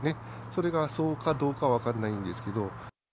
それがそうかどうかは分かんないんですけど。